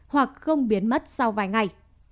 hoặc không biến mất sau vài ngày